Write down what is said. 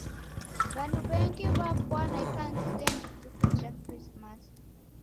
W'andu w'engi w'apwana ikanisenyi ituku ja Krismasi.